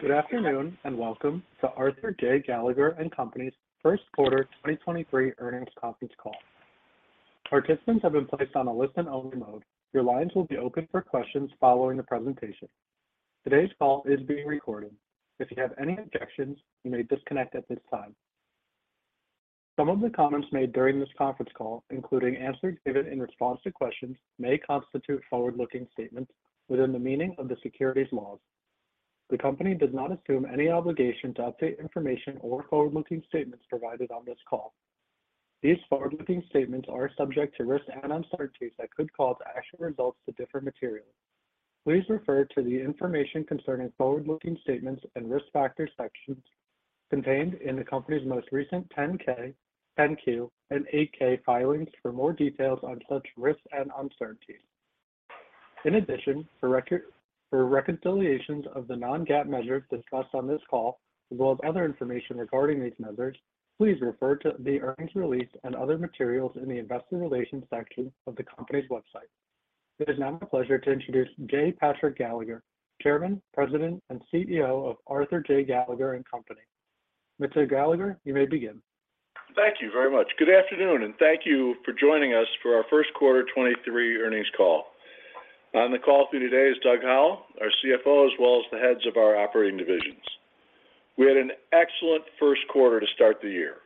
Good afternoon, welcome to Arthur J. Gallagher & Co.'s First Quarter 2023 Earnings Conference call. Participants have been placed on a listen-only mode. Your lines will be open for questions following the presentation. Today's call is being recorded. If you have any objections, you may disconnect at this time. Some of the comments made during this conference call, including answers given in response to questions, may constitute forward-looking statements within the meaning of the securities laws. The company does not assume any obligation to update information or forward-looking statements provided on this call. These forward-looking statements are subject to risks and uncertainties that could cause actual results to differ materially. Please refer to the Information Concerning Forward-Looking Statements and Risk Factors sections contained in the company's most recent 10-K, 10-Q, and 8-K filings for more details on such risks and uncertainties. In addition, for reconciliations of the non-GAAP measures discussed on this call, as well as other information regarding these measures, please refer to the earnings release and other materials in the Investor Relations section of the company's website. It is now my pleasure to introduce J. Patrick Gallagher, Chairman, President, and CEO of Arthur J. Gallagher & Co. Mr. Gallagher, you may begin. Thank you very much. Good afternoon, and thank you for joining us for our first quarter 2023 earnings call. On the call today is Doug Howell, our CFO, as well as the heads of our operating divisions. We had an excellent first quarter to start the year.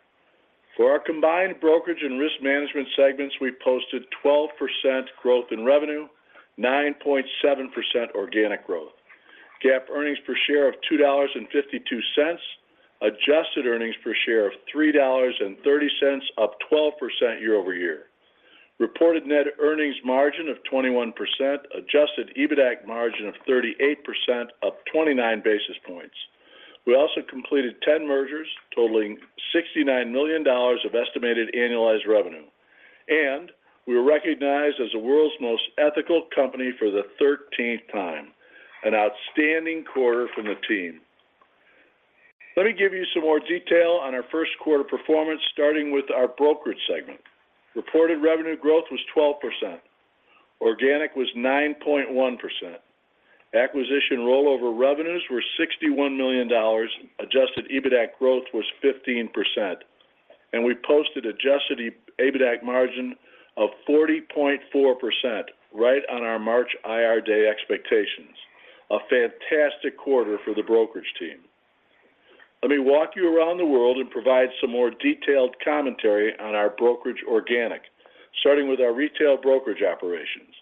For our combined brokerage and risk management segments, we posted 12% growth in revenue, 9.7% organic growth. GAAP earnings per share of $2.52. Adjusted earnings per share of $3.30, up 12% year-over-year. Reported net earnings margin of 21%. Adjusted EBITDAC margin of 38%, up 29 basis points. We also completed 10 mergers totaling $69 million of estimated annualized revenue. We were recognized as the World's Most Ethical Companies for the 13th time. An outstanding quarter from the team. Let me give you some more detail on our first quarter performance, starting with our brokerage segment. Reported revenue growth was 12%. Organic was 9.1%. Acquisition rollover revenues were $61 million. Adjusted EBITAC growth was 15%. We posted adjusted EBITAC margin of 40.4%, right on our March IR Day expectations. A fantastic quarter for the brokerage team. Let me walk you around the world and provide some more detailed commentary on our brokerage organic, starting with our retail brokerage operations.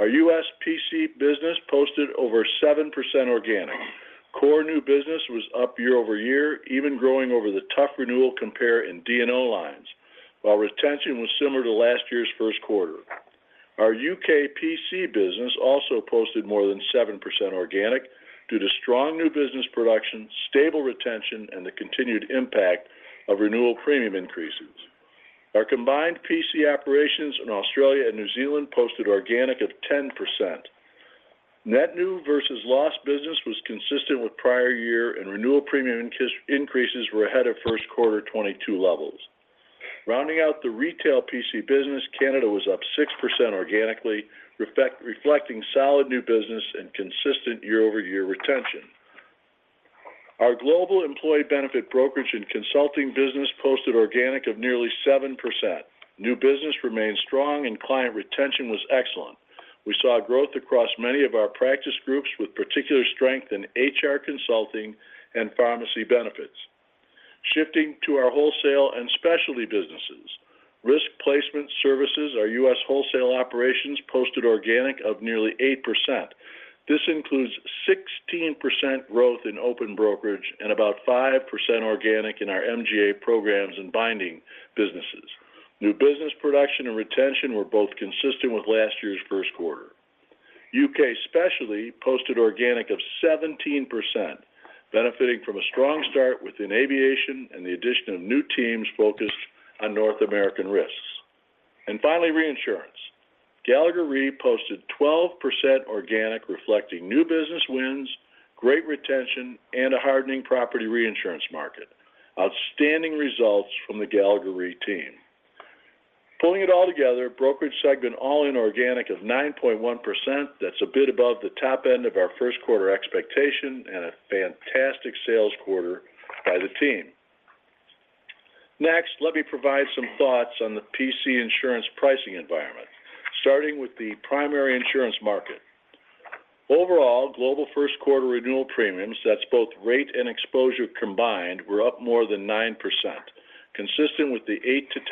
Our U.S. PC business posted over 7% organic. Core new business was up year-over-year, even growing over the tough renewal compare in D&O lines, while retention was similar to last year's first quarter. Our UK PC business also posted more than 7% organic due to strong new business production, stable retention, and the continued impact of renewal premium increases. Our combined PC operations in Australia and New Zealand posted organic of 10%. Net new versus lost business was consistent with prior year, and renewal premium increases were ahead of first quarter 2022 levels. Rounding out the retail PC business, Canada was up 6% organically, reflecting solid new business and consistent year-over-year retention. Our global employee benefit brokerage and consulting business posted organic of nearly 7%. New business remained strong and client retention was excellent. We saw growth across many of our practice groups with particular strength in HR consulting and pharmacy benefits. Shifting to our wholesale and specialty businesses. Risk Placement Services, our U.S. wholesale operations, posted organic of nearly 8%. This includes 16% growth in open brokerage and about 5% organic in our MGA programs and binding businesses. New business production and retention were both consistent with last year's first quarter. UK Specialty posted organic of 17%, benefiting from a strong start within aviation and the addition of new teams focused on North American risks. Finally, reinsurance. Gallagher Re posted 12% organic, reflecting new business wins, great retention, and a hardening property reinsurance market. Outstanding results from the Gallagher Re team. Pulling it all together, brokerage segment all in organic of 9.1%. That's a bit above the top end of our first quarter expectation and a fantastic sales quarter by the team. Next, let me provide some thoughts on the P&C insurance pricing environment, starting with the primary insurance market. Overall, global first quarter renewal premiums, that's both rate and exposure combined, were up more than 9%, consistent with the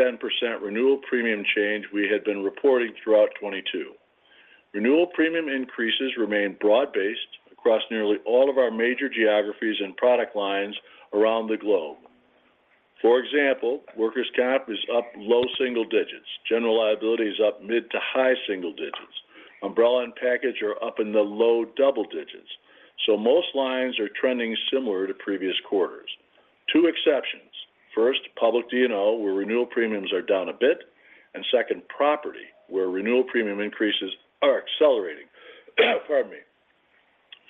8%-10% renewal premium change we had been reporting throughout 2022. Renewal premium increases remain broad-based across nearly all of our major geographies and product lines around the globe. For example, workers' comp is up low single digits. General liability is up mid to high single digits. Umbrella and package are up in the low double digits. Most lines are trending similar to previous quarters. Two exceptions. First, public D&O, where renewal premiums are down a bit, and second, property, where renewal premium increases are accelerating. Pardon me.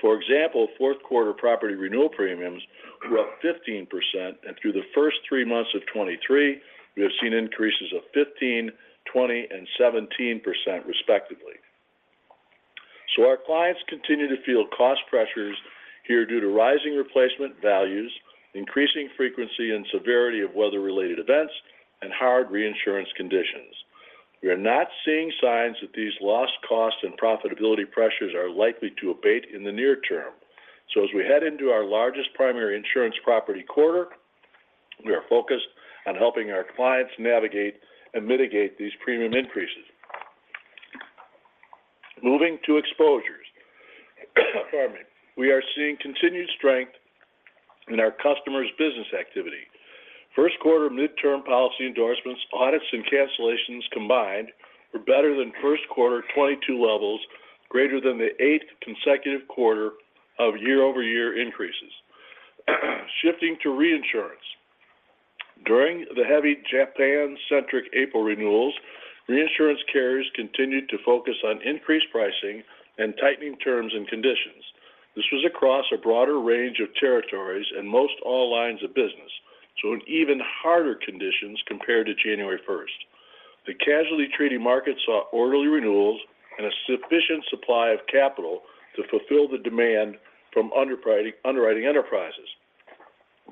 For example, fourth quarter property renewal premiums were up 15%, through the first three months of 2023, we have seen increases of 15%, 20%, and 17% respectively. Our clients continue to feel cost pressures here due to rising replacement values, increasing frequency and severity of weather-related events, and hard reinsurance conditions. We are not seeing signs that these lost costs and profitability pressures are likely to abate in the near term. As we head into our largest primary insurance property quarter, we are focused on helping our clients navigate and mitigate these premium increases. Moving to exposures. Pardon me. We are seeing continued strength in our customers' business activity. First quarter midterm policy endorsements, audits, and cancellations combined were better than first quarter 2022 levels, greater than the eighth consecutive quarter of year-over-year increases. Shifting to reinsurance. During the heavy Japan-centric April renewals, reinsurance carriers continued to focus on increased pricing and tightening terms and conditions. This was across a broader range of territories in most all lines of business, in even harder conditions compared to January first. The casualty treaty market saw orderly renewals and a sufficient supply of capital to fulfill the demand from underwriting enterprises.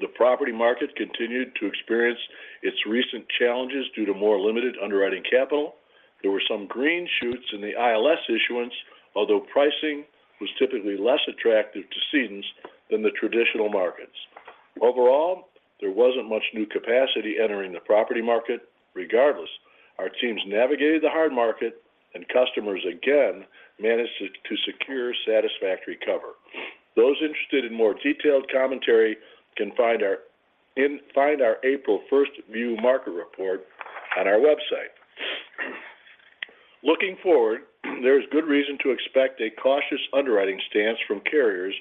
The property market continued to experience its recent challenges due to more limited underwriting capital. There were some green shoots in the ILS issuance, although pricing was typically less attractive to cedents than the traditional markets. Overall, there wasn't much new capacity entering the property market. Regardless, our teams navigated the hard market, and customers again managed to secure satisfactory cover. Those interested in more detailed commentary can find our April first view market report on our website. Looking forward, there is good reason to expect a cautious underwriting stance from carriers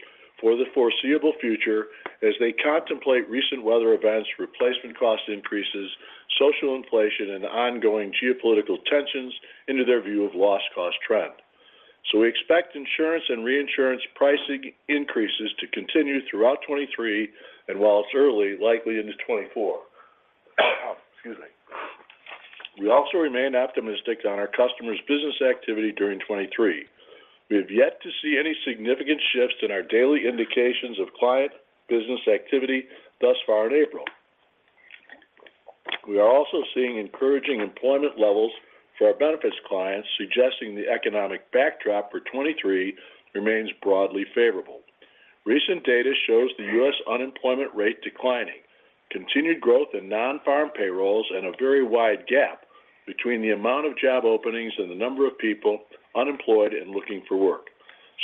for the foreseeable future as they contemplate recent weather events, replacement cost increases, social inflation, and ongoing geopolitical tensions into their view of loss cost trend. We expect insurance and reinsurance pricing increases to continue throughout 2023, and while it's early, likely into 2024. Excuse me. We also remain optimistic on our customers' business activity during 2023. We have yet to see any significant shifts in our daily indications of client business activity thus far in April. We are also seeing encouraging employment levels for our benefits clients, suggesting the economic backdrop for 2023 remains broadly favorable. Recent data shows the U.S. unemployment rate declining, continued growth in nonfarm payrolls, and a very wide gap between the amount of job openings and the number of people unemployed and looking for work.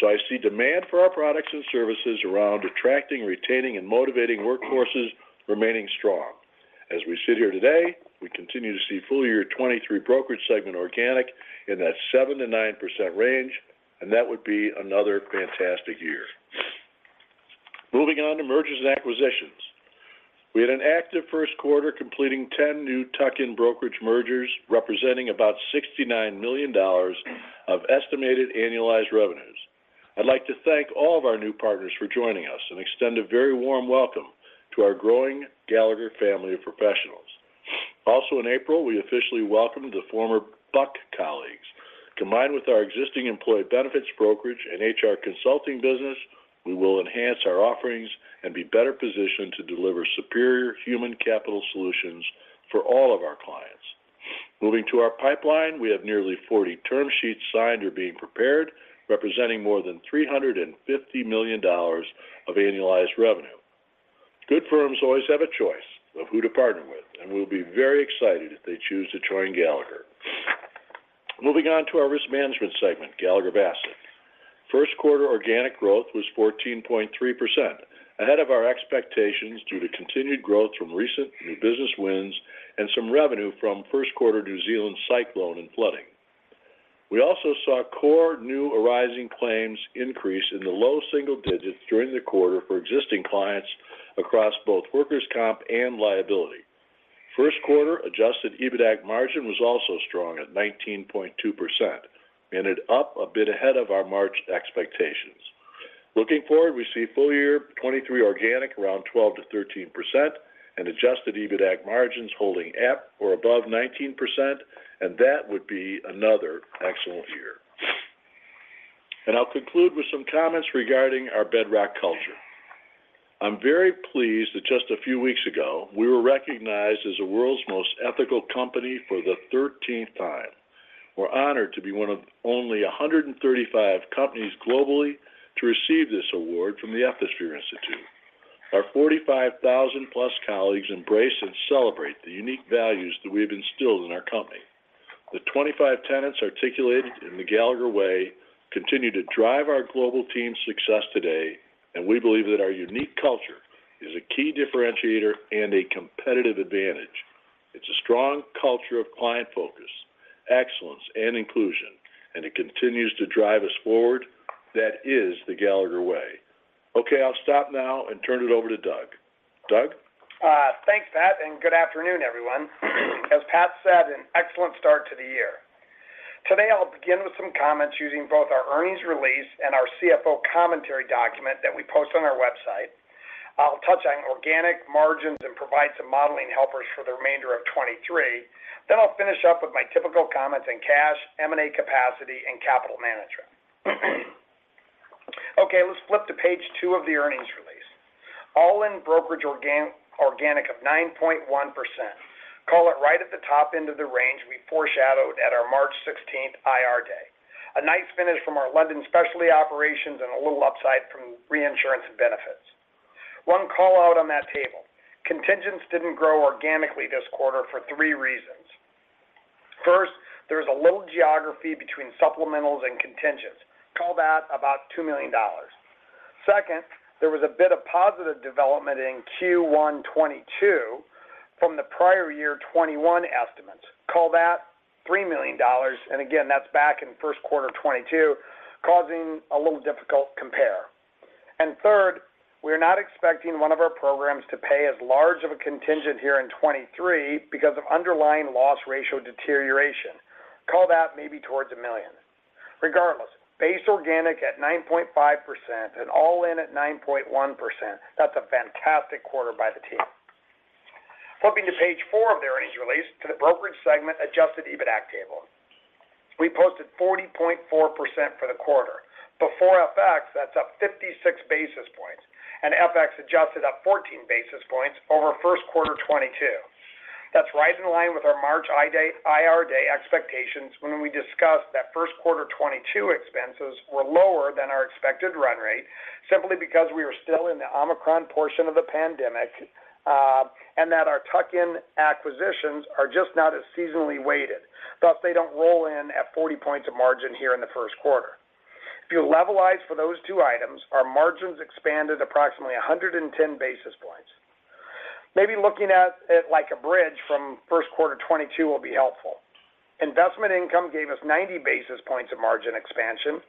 I see demand for our products and services around attracting, retaining, and motivating workforces remaining strong. As we sit here today, we continue to see full year 23 brokerage segment organic in that 7%-9% range, and that would be another fantastic year. Moving on to mergers and acquisitions. We had an active first quarter, completing 10 new tuck-in brokerage mergers, representing about $69 million of estimated annualized revenues. I'd like to thank all of our new partners for joining us and extend a very warm welcome to our growing Gallagher family of professionals. Also in April, we officially welcomed the former Buck colleagues. Combined with our existing employee benefits brokerage and HR consulting business, we will enhance our offerings and be better positioned to deliver superior human capital solutions for all of our clients. Moving to our pipeline, we have nearly 40 term sheets signed or being prepared, representing more than $350 million of annualized revenue. Good firms always have a choice of who to partner with, and we'll be very excited if they choose to join Gallagher. Moving on to our risk management segment, Gallagher Bassett. First quarter organic growth was 14.3%, ahead of our expectations due to continued growth from recent new business wins and some revenue from first quarter New Zealand cyclone and flooding. We also saw core new arising claims increase in the low single digits during the quarter for existing clients across both workers' comp and liability. First quarter adjusted EBITAC margin was also strong at 19.2% and it up a bit ahead of our March expectations. Looking forward, we see full year 23 organic around 12%-13% and adjusted EBITAC margins holding at or above 19%, that would be another excellent year. I'll conclude with some comments regarding our bedrock culture. I'm very pleased that just a few weeks ago, we were recognized as the world's most ethical company for the 13th time. We're honored to be one of only 135 companies globally to receive this award from the Ethisphere Institute. Our 45,000+ colleagues embrace and celebrate the unique values that we have instilled in our company. The 25 tenets articulated in the Gallagher Way continue to drive our global team's success today, we believe that our unique culture is a key differentiator and a competitive advantage. It's a strong culture of client focus, excellence, and inclusion, it continues to drive us forward. That is The Gallagher Way. Okay, I'll stop now and turn it over to Doug. Doug? Thanks, Pat, good afternoon, everyone. As Pat said, an excellent start to the year. Today, I'll begin with some comments using both our earnings release and our CFO commentary document that we post on our website. I'll touch on organic margins and provide some modeling helpers for the remainder of 2023. I'll finish up with my typical comments in cash, M&A capacity, and capital management. Okay, let's flip to page two of the earnings release. All-in brokerage organic of 9.1%. Call it right at the top end of the range we foreshadowed at our March 16th IR Day. A nice finish from our London specialty operations and a little upside from reinsurance benefits. One call-out on that table. Contingents didn't grow organically this quarter for three reasons. First, there's a little geography between supplementals and contingents. Call that about $2 million. Second, there was a bit of positive development in Q1 2022 from the prior year 2021 estimates. Call that $3 million. Again, that's back in first quarter 2022, causing a little difficult compare. Third, we're not expecting one of our programs to pay as large of a contingent here in 2023 because of underlying loss ratio deterioration. Call that maybe towards $1 million. Regardless, base organic at 9.5% and all in at 9.1%. That's a fantastic quarter by the team. Flipping to page four of the earnings release to the brokerage segment adjusted EBITAC table. We posted 40.4% for the quarter. Before FX, that's up 56 basis points. FX adjusted up 14 basis points over first quarter 2022. That's right in line with our March IR Day expectations when we discussed that first quarter 22 expenses were lower than our expected run rate simply because we are still in the Omicron portion of the pandemic, and that our tuck-in acquisitions are just not as seasonally weighted, thus they don't roll in at 40 points of margin here in the first quarter. If you levelize for those two items, our margins expanded approximately 110 basis points. Maybe looking at it like a bridge from first quarter 22 will be helpful. Investment income gave us 90 basis points of margin expansion.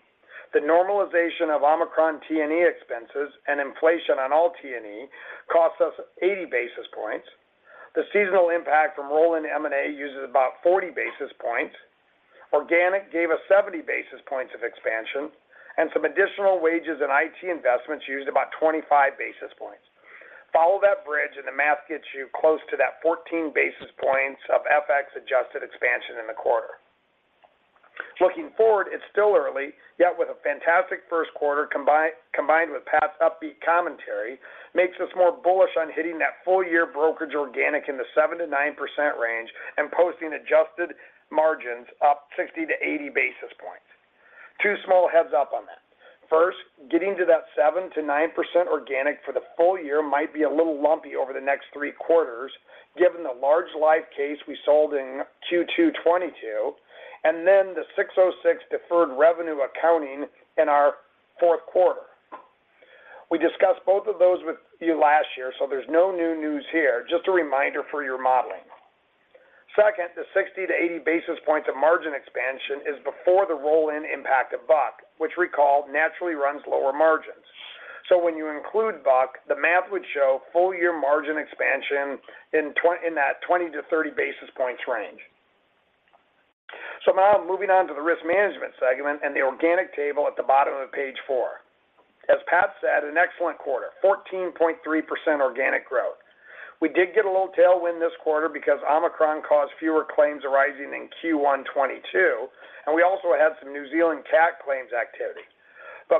The normalization of Omicron T&E expenses and inflation on all T&E cost us 80 basis points. The seasonal impact from roll-in M&A uses about 40 basis points. Organic gave us 70 basis points of expansion, and some additional wages and IT investments used about 25 basis points. Follow that bridge, and the math gets you close to that 14 basis points of FX-adjusted expansion in the quarter. Looking forward, it's still early, yet with a fantastic first quarter combined with Pat's upbeat commentary, makes us more bullish on hitting that full-year brokerage organic in the 7%-9% range and posting adjusted margins up 60 to 80 basis points. two small heads-up on that. First, getting to that 7%-9% organic for the full year might be a little lumpy over the next three quarters, given the large life case we sold in Q2 2022, and then the ASC 606 deferred revenue accounting in our fourth quarter. We discussed both of those with you last year, so there's no new news here. Just a reminder for your modeling. Second, the 60-80 basis points of margin expansion is before the roll-in impact of Buck, which recall naturally runs lower margins. When you include Buck, the math would show full-year margin expansion in that 20-30 basis points range. Now moving on to the risk management segment and the organic table at the bottom of page four. As Pat said, an excellent quarter, 14.3% organic growth. We did get a little tailwind this quarter because Omicron caused fewer claims arising in Q1 2022, and we also had some New Zealand cat claims activity.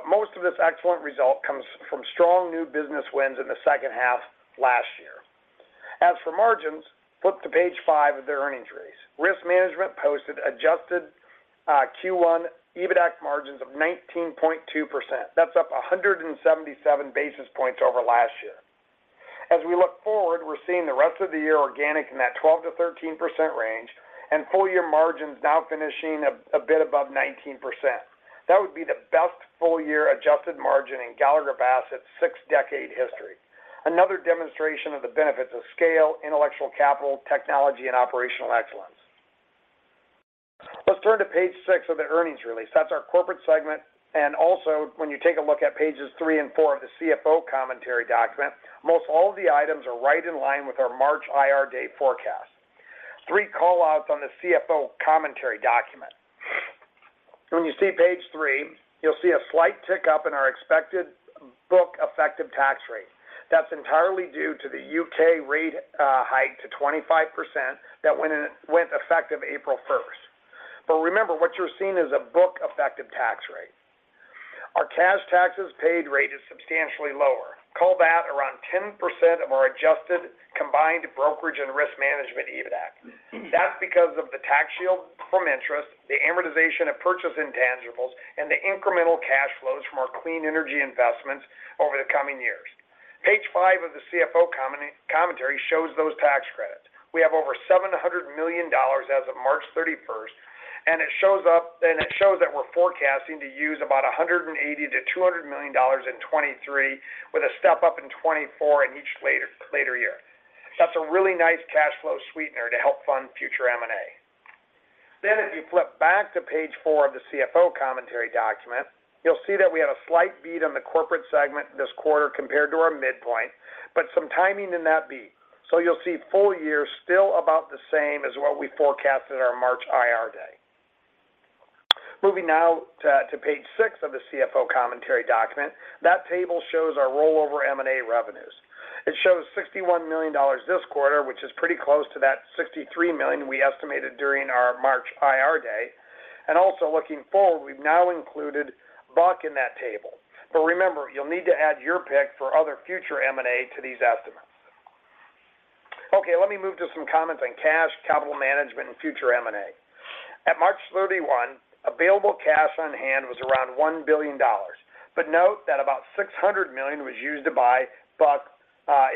Most of this excellent result comes from strong new business wins in the second half last year. As for margins, flip to page five of the earnings release. Risk management posted adjusted Q1 EBITAC margins of 19.2%. That's up 177 basis points over last year. As we look forward, we're seeing the rest of the year organic in that 12%-13% range and full-year margins now finishing a bit above 19%. That would be the best full-year adjusted margin in Gallagher Bassett's six-decade history. Another demonstration of the benefits of scale, intellectual capital, technology, and operational excellence. Let's turn to page six of the earnings release. That's our corporate segment. When you take a look at pages three and four of the CFO commentary document, most all of the items are right in line with our March IR Day forecast. three call-outs on the CFO commentary document. When you see page three, you'll see a slight tick up in our expected book effective tax rate. That's entirely due to the UK rate hike to 25% that went effective April 1st. Remember, what you're seeing is a book effective tax rate. Our cash taxes paid rate is substantially lower. Call that around 10% of our adjusted combined brokerage and risk management EBITAC. That's because of the tax shield from interest, the amortization of purchase intangibles, and the incremental cash flows from our clean energy investments over the coming years. Page 5 of the CFO commentary shows those tax credits. We have over $700 million as of March 31st, and it shows that we're forecasting to use about $180 million-$200 million in 2023 with a step-up in 2024 and each later year. That's a really nice cash flow sweetener to help fund future M&A. If you flip back to page of the CFO commentary document, you'll see that we had a slight beat on the corporate segment this quarter compared to our midpoint, but some timing in that beat. You'll see full year still about the same as what we forecasted our March IR Day. Moving now to page six of the CFO commentary document. That table shows our rollover M&A revenues. It shows $61 million this quarter, which is pretty close to that $63 million we estimated during our March IR Day. Also looking forward, we've now included Buck in that table. Remember, you'll need to add your pick for other future M&A to these estimates. Let me move to some comments on cash, capital management, and future M&A. At March 31, available cash on hand was around $1 billion. Note that about $600 million was used to buy Buck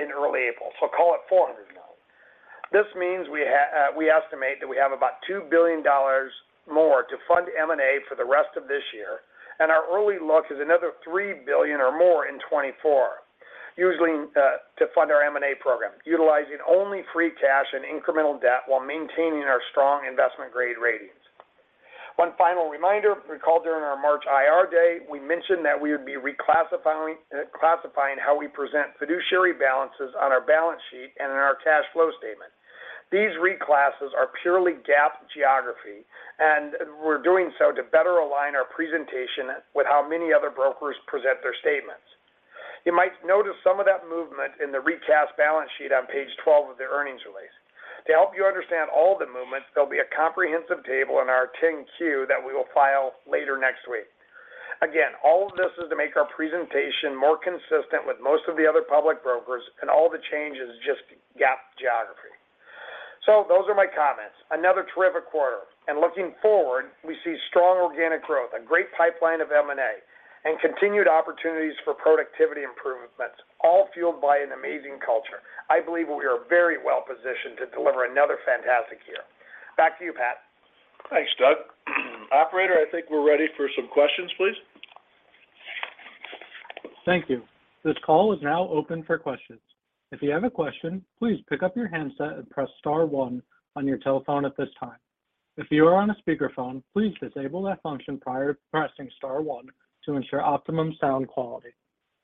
in early April. Call it $400 million. This means we estimate that we have about $2 billion more to fund M&A for the rest of this year. Our early look is another $3 billion or more in 2024, usually to fund our M&A program, utilizing only free cash and incremental debt while maintaining our strong investment-grade ratings. One final reminder. Recall during our March IR Day, we mentioned that we would be classifying how we present fiduciary balances on our balance sheet and in our cash flow statement. These reclasses are purely GAAP geography, and we're doing so to better align our presentation with how many other brokers present their statements. You might notice some of that movement in the recast balance sheet on page 12 of the earnings release. To help you understand all the movements, there'll be a comprehensive table in our 10-Q that we will file later next week. All of this is to make our presentation more consistent with most of the other public brokers, and all the changes just GAAP geography. Those are my comments. Another terrific quarter. Looking forward, we see strong organic growth, a great pipeline of M&A, and continued opportunities for productivity improvements, all fueled by an amazing culture. I believe we are very well-positioned to deliver another fantastic year. Back to you, Pat. Thanks, Doug. Operator, I think we're ready for some questions, please. Thank you. This call is now open for questions. If you have a question, please pick up your handset and press star one on your telephone at this time. If you are on a speakerphone, please disable that function prior to pressing star one to ensure optimum sound quality.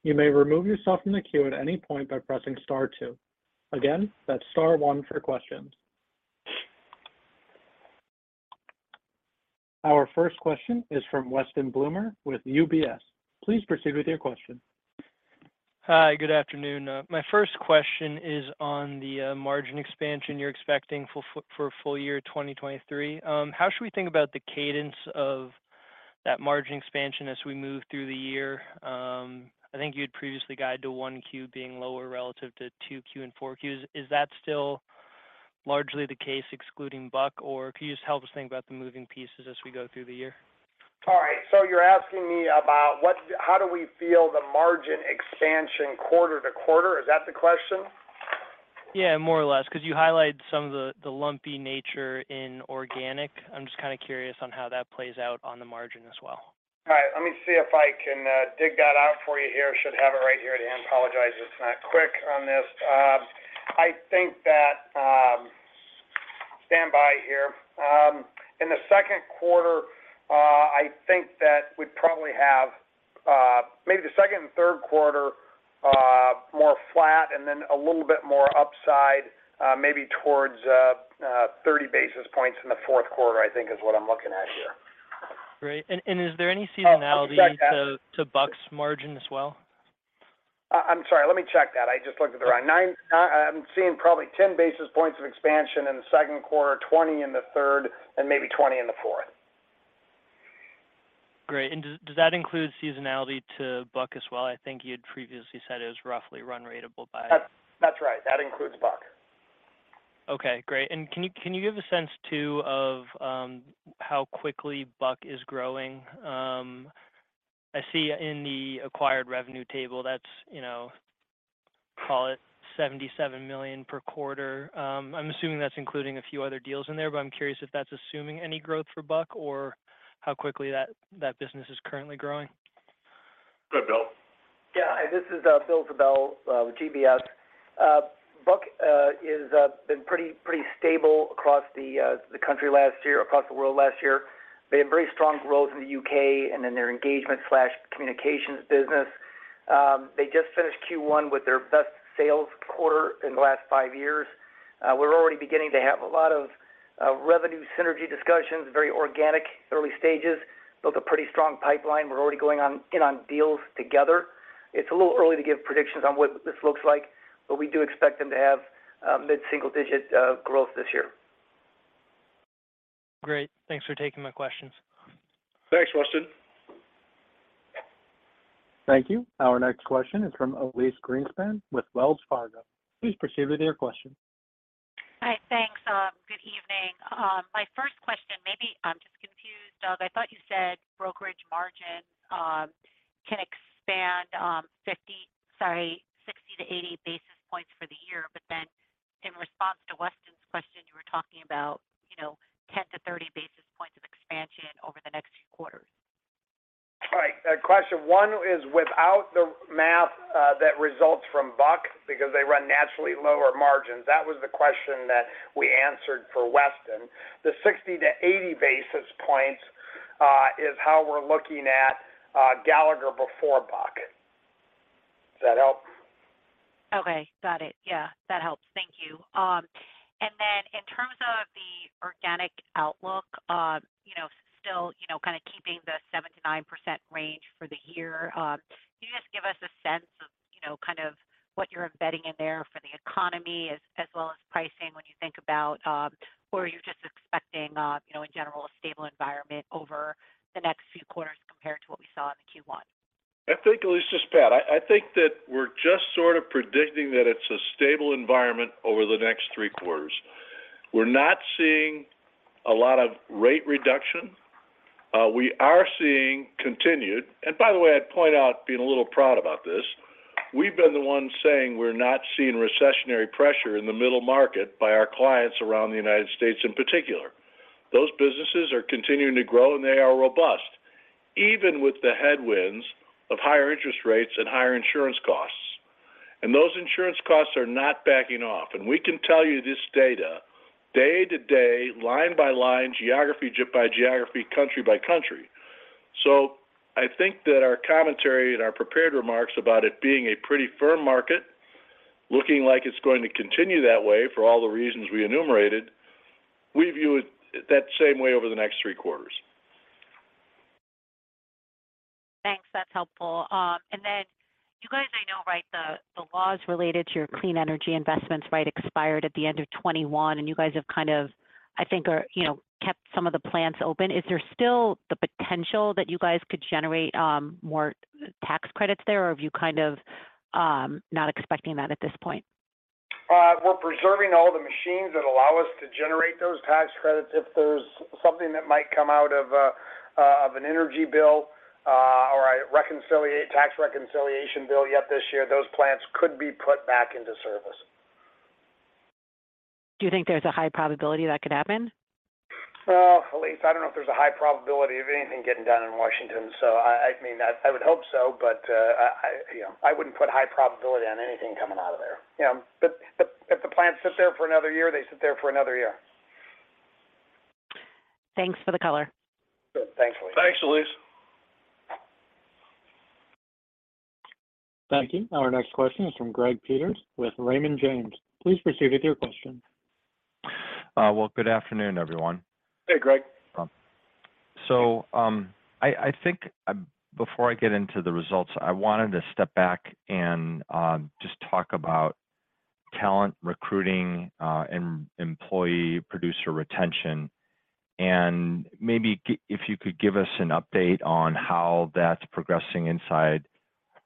You may remove yourself from the queue at any point by pressing star two. Again, that's star one for questions. Our first question is from Weston Bloomer with UBS. Please proceed with your question. Hi, good afternoon. My first question is on the margin expansion you're expecting for for full year 2023. How should we think about the cadence of that margin expansion as we move through the year? I think you had previously guided to 1 Q being lower relative to 2 Q and 4 Qs. Is that still largely the case excluding Buck? Can you just help us think about the moving pieces as we go through the year? All right. You're asking me about how do we feel the margin expansion quarter to quarter? Is that the question? Yeah, more or less, 'cause you highlight some of the lumpy nature in organic. I'm just kind of curious on how that plays out on the margin as well. All right. Let me see if I can dig that out for you here. Should have it right here at hand. Apologize it's not quick on this. I think that Stand by here. In the second quarter, I think that we probably have maybe the second and third quarter more flat and then a little bit more upside, maybe towards 30 basis points in the fourth quarter, I think is what I'm looking at here. Great. Is there any seasonality? One second. to Buck's margin as well? I'm sorry. Let me check that. I just looked at the wrong. I'm seeing probably 10 basis points of expansion in the second quarter, 20 in the third, and maybe 20 in the fourth. Great. Does that include seasonality to Buck as well? I think you'd previously said it was roughly run ratable. That's right. That includes Buck. Okay, great. Can you give a sense too of how quickly Buck is growing? I see in the acquired revenue table, that's, you know, call it $77 million per quarter. I'm assuming that's including a few other deals in there, but I'm curious if that's assuming any growth for Buck or how quickly that business is currently growing. Go ahead, Bill. This is Bill Zabel with GBS. Buck is been pretty stable across the country last year, across the world last year. They had very strong growth in the UK and in their engagement/communications business. They just finished Q1 with their best sales quarter in the last five years. We're already beginning to have a lot of revenue synergy discussions, very organic, early stages. Built a pretty strong pipeline. We're already going in on deals together. It's a little early to give predictions on what this looks like, but we do expect them to have mid-single digit growth this year. Great. Thanks for taking my questions. Thanks, Weston. Thank you. Our next question is from Elyse Greenspan with Wells Fargo. Please proceed with your question. Hi. Thanks. Good evening. My first question, maybe I'm just confused, Doug. I thought you said brokerage margin, can expand, 60-80 basis points for the year. In response to Weston's question, you were talking about, you know, 10-30 basis points of expansion over the next few quarters. Right. Question one is without the math that results from Buck because they run naturally lower margins. That was the question that we answered for Weston. The 60-80 basis points is how we're looking at Gallagher before Buck. Does that help? Okay. Got it. Yeah, that helps. Thank you. In terms of the organic outlook, you know, still, you know, kind of keeping the 7%-9% range for the year, can you just give us a sense of, you know, kind of what you're embedding in there for the economy as well as pricing when you think about, or are you just expecting, you know, in general, a stable environment over the next few quarters compared to what we saw in the Q1? I think, Elyse, just Pat. I think that we're just sort of predicting that it's a stable environment over the next three quarters. We're not seeing a lot of rate reduction. We are seeing continued. By the way, I'd point out being a little proud about this, we've been the ones saying we're not seeing recessionary pressure in the middle market by our clients around the United States in particular. Those businesses are continuing to grow, and they are robust, even with the headwinds of higher interest rates and higher insurance costs. Those insurance costs are not backing off, and we can tell you this data day to day, line by line, geography by geography, country by country. I think that our commentary and our prepared remarks about it being a pretty firm market, looking like it's going to continue that way for all the reasons we enumerated, we view it that same way over the next three quarters. Thanks. That's helpful. You guys, I know, right, the laws related to your clean energy investments, right, expired at the end of 2021, and you guys have kind of, I think are, you know, kept some of the plants open. Is there still the potential that you guys could generate more tax credits there, or have you kind of not expecting that at this point? We're preserving all the machines that allow us to generate those tax credits. If there's something that might come out of an energy bill, or a tax reconciliation bill yet this year, those plants could be put back into service. Do you think there's a high probability that could happen? Well, Elise, I don't know if there's a high probability of anything getting done in Washington. I mean, I would hope so, but I, you know, I wouldn't put high probability on anything coming out of there. You know, if the plants sit there for another year, they sit there for another year. Thanks for the color. Sure. Thanks, Elise. Thanks, Elise. Thank you. Our next question is from Greg Peters with Raymond James. Please proceed with your question. Well, good afternoon, everyone. Hey, Greg. I think, before I get into the results, I wanted to step back and, just talk about talent recruiting, and employee producer retention, and maybe if you could give us an update on how that's progressing inside,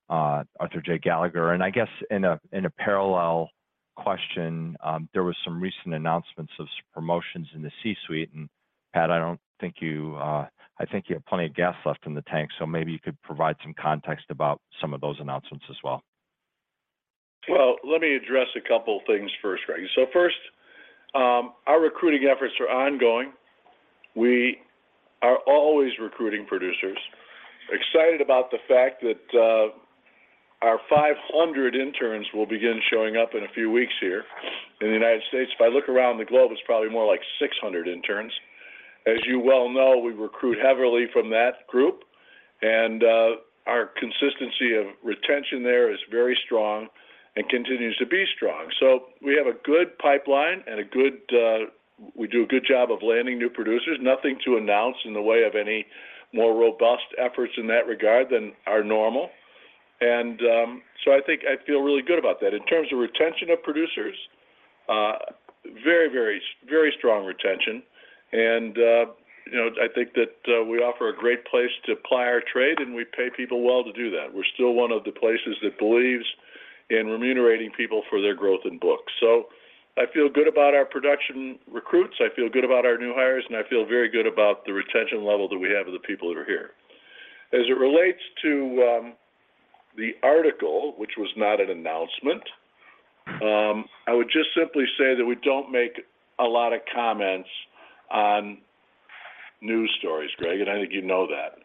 Arthur J. Gallagher. I guess in a, in a parallel question, there was some recent announcements of promotions in the C-suite, and Pat, I don't think you, I think you have plenty of gas left in the tank, so maybe you could provide some context about some of those announcements as well. Well, let me address a couple things first, Greg. First, our recruiting efforts are ongoing. We are always recruiting producers. Excited about the fact that our 500 interns will begin showing up in a few weeks here in the United States. If I look around the globe, it's probably more like 600 interns. As you well know, we recruit heavily from that group, and our consistency of retention there is very strong and continues to be strong. We have a good pipeline and a good, We do a good job of landing new producers. Nothing to announce in the way of any more robust efforts in that regard than our normal. I think I feel really good about that. In terms of retention of producers, very strong retention. You know, I think that we offer a great place to ply our trade, and we pay people well to do that. We're still one of the places that believes in remunerating people for their growth in books. I feel good about our production recruits, I feel good about our new hires, and I feel very good about the retention level that we have of the people that are here. As it relates to the article, which was not an announcement, I would just simply say that we don't make a lot of comments on news stories, Greg, and I think you know that.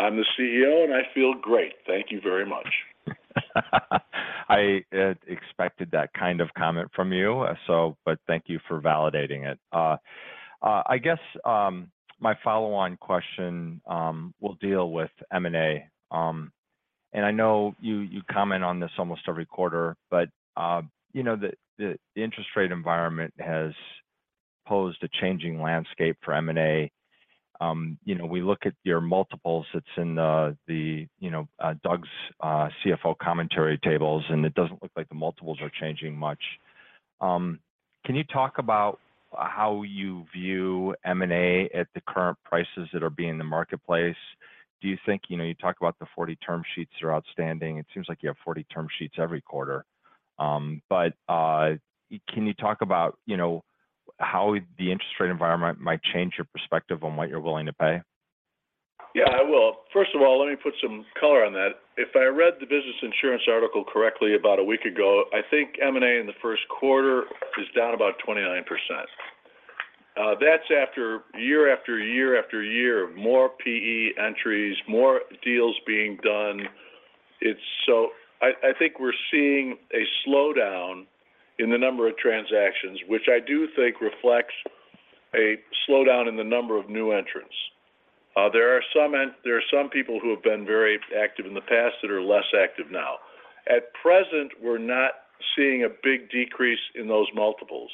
I'm the CEO, and I feel great. Thank you very much. I expected that kind of comment from you, so but thank you for validating it. I guess, my follow-on question, will deal with M&A. I know you comment on this almost every quarter, but, you know, the interest rate environment has posed a changing landscape for M&A. You know, we look at your multiples. It's in the, you know, Doug's, CFO commentary tables, and it doesn't look like the multiples are changing much. Can you talk about how you view M&A at the current prices that are being in the marketplace? Do you think, you know, you talk about the 40 term sheets that are outstanding. It seems like you have 40 term sheets every quarter. Can you talk about, you know, how the interest rate environment might change your perspective on what you're willing to pay? Yeah, I will. First of all, let me put some color on that. If I read the Business Insurance article correctly about a week ago, I think M&A in the first quarter is down about 29%. That's after year, after year, after year of more PE entries, more deals being done. I think we're seeing a slowdown. In the number of transactions, which I do think reflects a slowdown in the number of new entrants. There are some people who have been very active in the past that are less active now. At present, we're not seeing a big decrease in those multiples.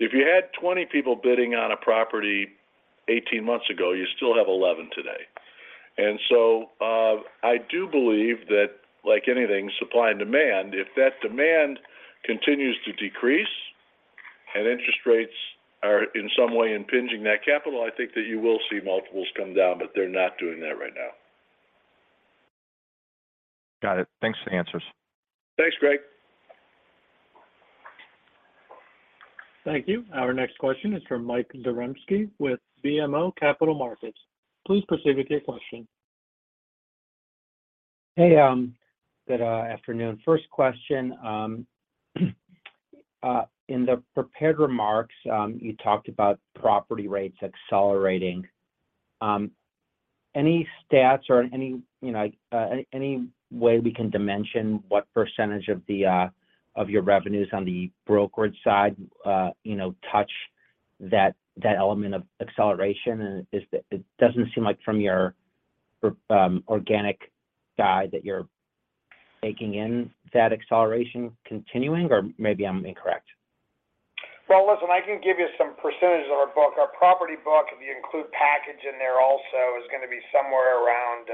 If you had 20 people bidding on a property 18 months ago, you still have 11 today. I do believe that like anything, supply and demand, if that demand continues to decrease and interest rates are in some way impinging that capital, I think that you will see multiples come down, but they're not doing that right now. Got it. Thanks for the answers. Thanks, Greg. Thank you. Our next question is from Mike Zaremski with BMO Capital Markets. Please proceed with your question. Hey, good afternoon. First question, in the prepared remarks, you talked about property rates accelerating. Any stats or any, you know, any way we can dimension what percentage of the revenues on the brokerage side, you know, touch that element of acceleration? It doesn't seem like from your organic guide that you're baking in that acceleration continuing or maybe I'm incorrect. Well, listen, I can give you some percentages of our book. Our property book, if you include package in there also, is gonna be somewhere around,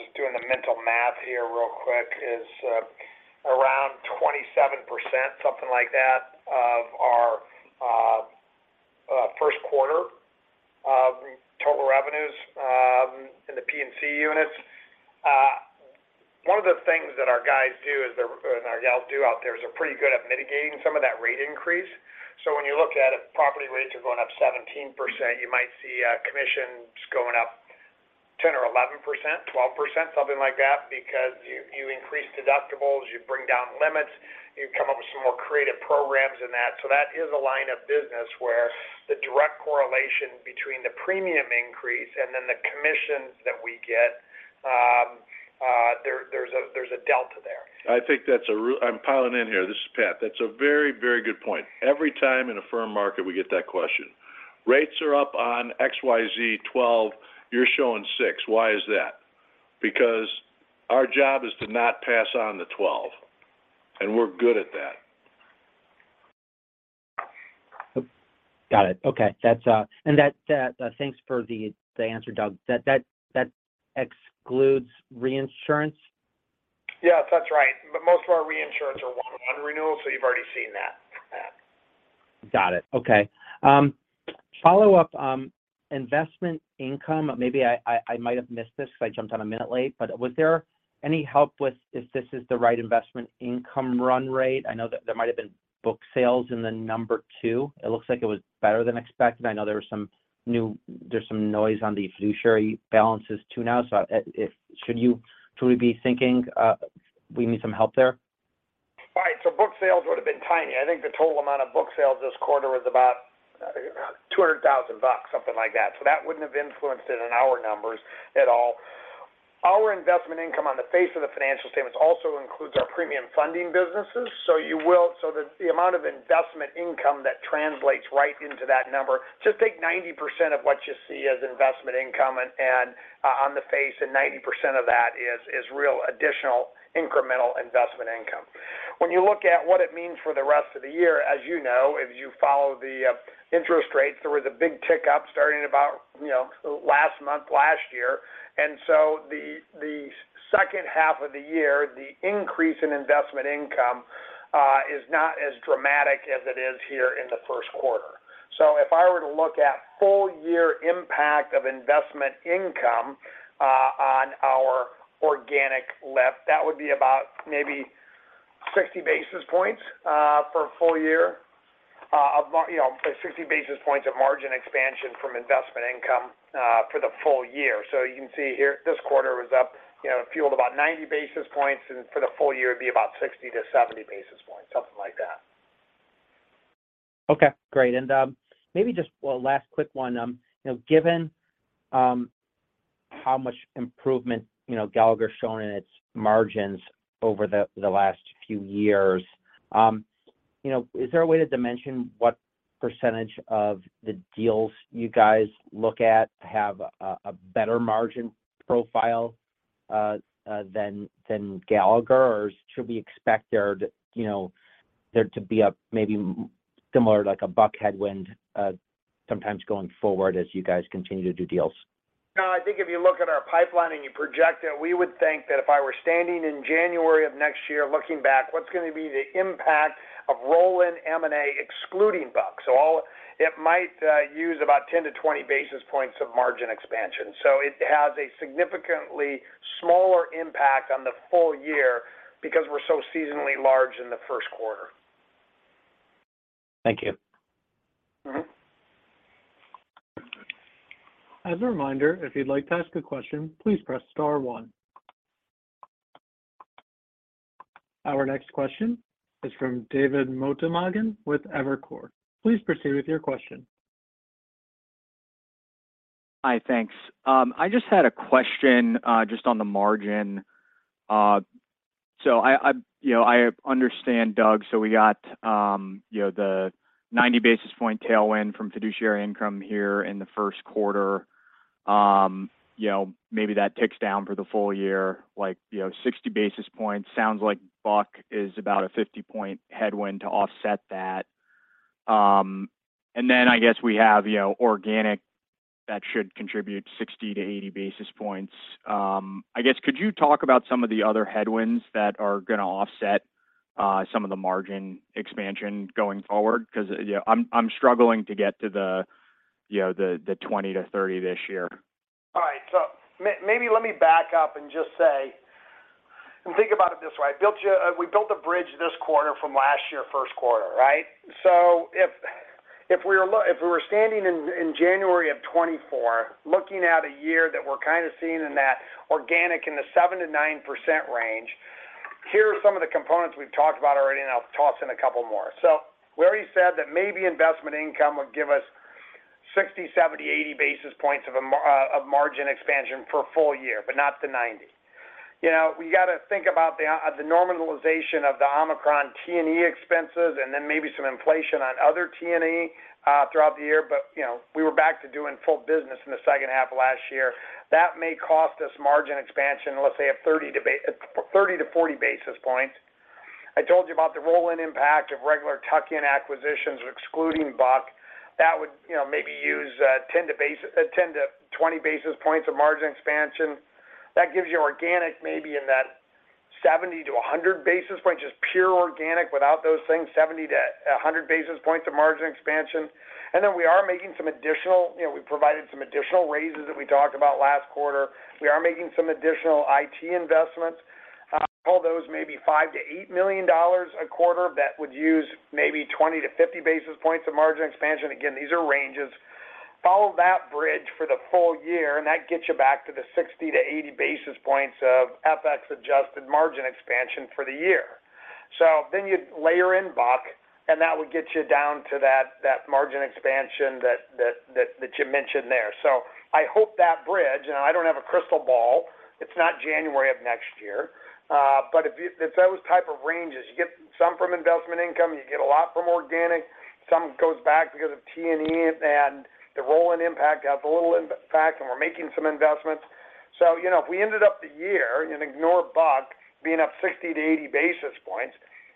just doing the mental math here real quick, is around 27%, something like that, of our first quarter total revenues in the P&C units. One of the things that our guys do and our gals do out there is they're pretty good at mitigating some of that rate increase. When you look at it, property rates are going up 17%. You might see commissions going up 10% or 11%, 12%, something like that, because you increase deductibles, you bring down limits, you come up with some more creative programs in that. That is a line of business where the direct correlation between the premium increase and then the commissions that we get, there's a delta there. I think that's a real... I'm piling in here. This is Pat. That's a very, very good point. Every time in a firm market we get that question. Rates are up on XYZ 12%, you're showing 6%. Why is that? Because our job is to not pass on the 12%, and we're good at that. Got it. Okay. That's... That, thanks for the answer, Doug. That excludes reinsurance? Yes, that's right. Most of our reinsurance are one renewal, so you've already seen that. Got it. Okay. Follow-up, investment income, maybe I might have missed this because I jumped on a minute late, but was there any help with if this is the right investment income run rate? I know that there might have been book sales in the number too. It looks like it was better than expected. I know there's some noise on the fiduciary balances too now. Should we be thinking, we need some help there? Right. Book sales would have been tiny. I think the total amount of book sales this quarter was about, I think around $200,000, something like that. That wouldn't have influenced it in our numbers at all. Our investment income on the face of the financial statements also includes our premium funding businesses. The amount of investment income that translates right into that number, just take 90% of what you see as investment income and on the face and 90% of that is real additional incremental investment income. When you look at what it means for the rest of the year, as you know, as you follow the interest rates, there was a big tick up starting about, you know, last month, last year. The second half of the year, the increase in investment income is not as dramatic as it is here in the first quarter. If I were to look at full year impact of investment income on our organic lift, that would be about maybe 60 basis points for a full year, you know, 60 basis points of margin expansion from investment income for the full year. You can see here this quarter was up, you know, fueled about 90 basis points. For the full year, it'd be about 60 to 70 basis points, something like that. Okay, great. Maybe just one last quick one. You know, given, how much improvement, you know, Gallagher's shown in its margins over the last few years, you know, is there a way to dimension what percentage of the deals you guys look at have a better margin profile than Gallagher? Should we expect there to, you know, there to be a maybe similar, like a Buck headwind, sometimes going forward as you guys continue to do deals? I think if you look at our pipeline and you project it, we would think that if I were standing in January of next year looking back, what's going to be the impact of roll-in M&A excluding Buck? It might use about 10 to 20 basis points of margin expansion. It has a significantly smaller impact on the full year because we're so seasonally large in the first quarter. Thank you. Mm-hmm. As a reminder, if you'd like to ask a question, please press star one. Our next question is from David Motemaden with Evercore. Please proceed with your question. Hi, thanks. I just had a question, just on the margin. I, you know, I understand, Doug, we got, you know, the 90 basis point tailwind from fiduciary income here in the first quarter. You know, maybe that ticks down for the full year, like, you know, 60 basis points. Sounds like Buck is about a 50-point headwind to offset that. Then I guess we have, you know, organic that should contribute 60 to 80 basis points. I guess, could you talk about some of the other headwinds that are gonna offset, some of the margin expansion going forward? You know, I'm struggling to get to the, you know, the 20-30 basis points this year. All right. Maybe let me back up and just say, and think about it this way. We built a bridge this quarter from last year first quarter, right? If, if we were standing in January of 2024, looking at a year that we're kind of seeing in that organic in the 7%-9% range, here are some of the components we've talked about already, and I'll toss in a couple more. We already said that maybe investment income would give us 60, 70, 80 basis points of margin expansion for a full year, but not to 90. You know, we got to think about the normalization of the Omicron T&E expenses and then maybe some inflation on other T&E throughout the year. you know, we were back to doing full business in the second half of last year. That may cost us margin expansion, let's say, of 30-40 basis points. I told you about the roll-in impact of regular tuck-in acquisitions, excluding Buck. That would, you know, maybe use 10-20 basis points of margin expansion. That gives you organic maybe in that 70-100 basis points, just pure organic without those things, 70-100 basis points of margin expansion. we are making some additional, you know, we provided some additional raises that we talked about last quarter. We are making some additional IT investments. Call those maybe $5 million-$8 million a quarter. That would use maybe 20-50 basis points of margin expansion. Again, these are ranges. Follow that bridge for the full year, and that gets you back to the 60 to 80 basis points of FX adjusted margin expansion for the year. You layer in Buck, and that would get you down to that margin expansion that you mentioned there. I hope that bridge, and I don't have a crystal ball, it's not January of next year. But if those type of ranges, you get some from investment income, you get a lot from organic, some goes back because of T&E and the roll-in impact has a little impact, and we're making some investments. You know, if we ended up the year and ignore Buck being up 60 to 80 basis points,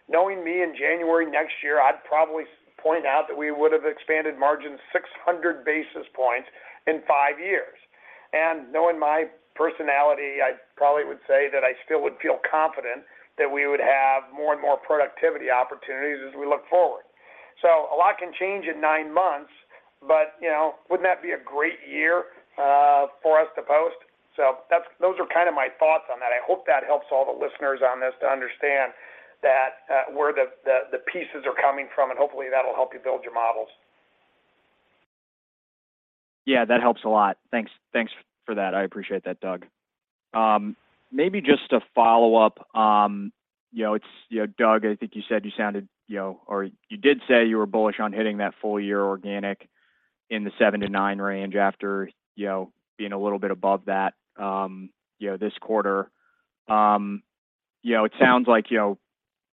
knowing me in January next year, I'd probably point out that we would have expanded margin 600 basis points in five years. Knowing my personality, I probably would say that I still would feel confident that we would have more and more productivity opportunities as we look forward. A lot can change in nine months, but, you know, wouldn't that be a great year for us to post? Those are kind of my thoughts on that. I hope that helps all the listeners on this to understand that where the pieces are coming from, and hopefully that'll help you build your models. Yeah, that helps a lot. Thanks for that. I appreciate that, Doug. Maybe just to follow up, you know, it's, you know, Doug, I think you said you sounded, you know, or you did say you were bullish on hitting that full year organic in the 7%-9% range after, you know, being a little bit above that, you know, this quarter. You know, it sounds like, you know,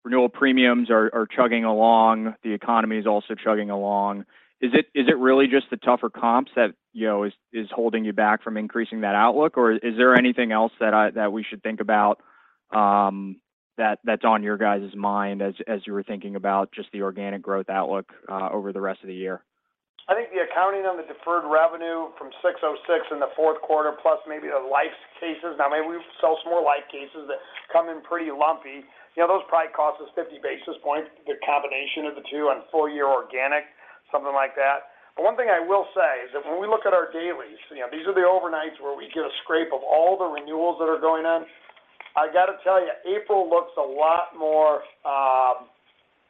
renewal premiums are chugging along. The economy is also chugging along. Is it really just the tougher comps that, you know, is holding you back from increasing that outlook? Or is there anything else that we should think about that's on your guys' mind as you were thinking about just the organic growth outlook over the rest of the year? I think the accounting on the deferred revenue from six oh six in the fourth quarter, plus maybe the life's cases. maybe we sell some more life cases that come in pretty lumpy. You know, those probably cost us 50 basis points, the combination of the two on full year organic, something like that. one thing I will say is that when we look at our dailies, you know, these are the overnights where we get a scrape of all the renewals that are going on. I got to tell you, April looks a lot more,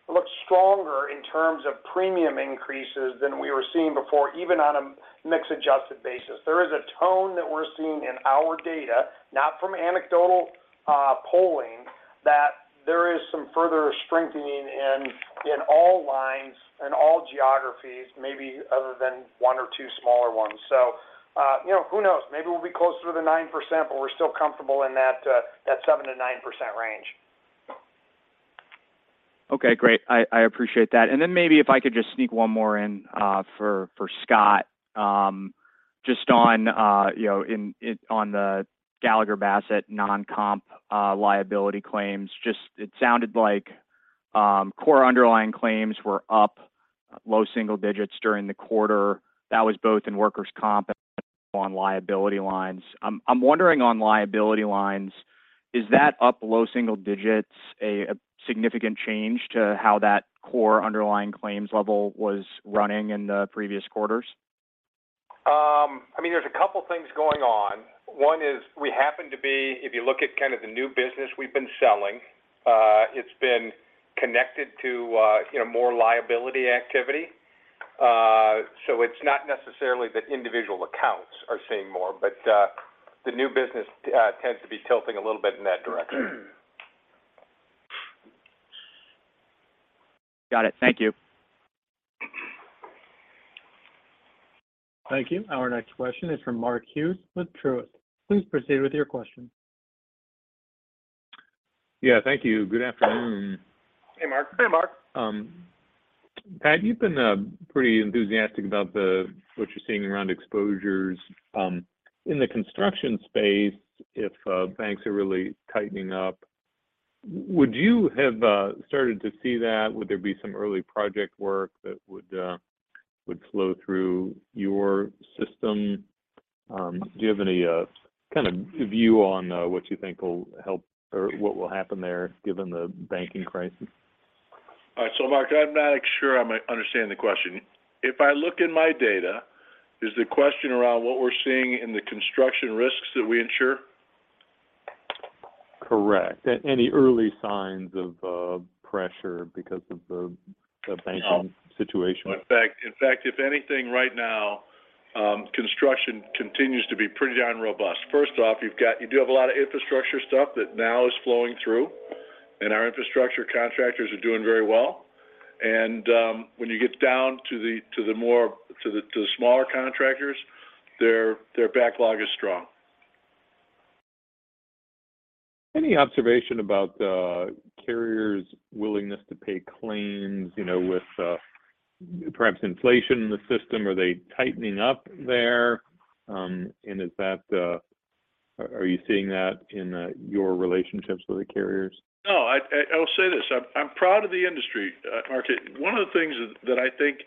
looks stronger in terms of premium increases than we were seeing before, even on a mix adjusted basis. There is a tone that we're seeing in our data, not from anecdotal polling, that there is some further strengthening in all lines and all geographies, maybe other than one or two smaller ones. You know, who knows? Maybe we'll be closer to the 9%, but we're still comfortable in that 7%-9% range. Okay, great. I appreciate that. Maybe if I could just sneak one more in for Scott, just on, you know, in, on the Gallagher Bassett non-comp liability claims. Just it sounded like core underlying claims were up low single digits during the quarter. That was both in workers' comp and on liability lines. I'm wondering on liability lines, is that up low single digits a significant change to how that core underlying claims level was running in the previous quarters? I mean, there's a couple of things going on. One is we happen to be, if you look at kind of the new business we've been selling, it's been connected to, you know, more liability activity. It's not necessarily that individual accounts are seeing more, but the new business tends to be tilting a little bit in that direction. Got it. Thank you. Thank you. Our next question is from Mark Hughes with Truist. Please proceed with your question. Yeah, thank you. Good afternoon. Hey, Mark. Hey, Mark. Pat, you've been pretty enthusiastic about what you're seeing around exposures. In the construction space, if banks are really tightening up, would you have started to see that? Would there be some early project work that would flow through your system? Do you have any kind of view on what you think will help or what will happen there given the banking crisis? All right. Mark, I'm not sure I'm understanding the question. If I look in my data, is the question around what we're seeing in the construction risks that we insure? Correct. Any early signs of pressure because of the banking situation? In fact, if anything right now, construction continues to be pretty darn robust. First off, you do have a lot of infrastructure stuff that now is flowing through, and our infrastructure contractors are doing very well. When you get down to the more, to the smaller contractors, their backlog is strong. Any observation about carriers' willingness to pay claims, you know, with perhaps inflation in the system? Are they tightening up there? Are you seeing that in your relationships with the carriers? No, I will say this. I'm proud of the industry, Mark. One of the things that I think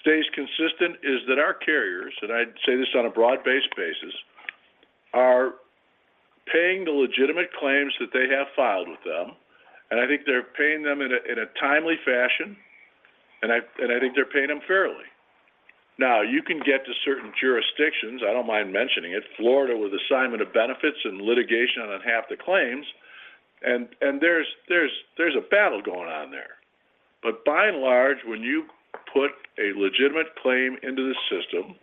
stays consistent is that our carriers, and I say this on a broad base basis, are paying the legitimate claims that they have filed with them, and I think they're paying them in a timely fashion, and I think they're paying them fairly. You can get to certain jurisdictions, I don't mind mentioning it, Florida with assignment of benefits and litigation on half the claims and there's a battle going on there. By and large, when you put a legitimate claim into the system,